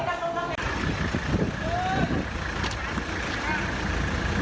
ไม่ได้หมีมันจบแล้วไง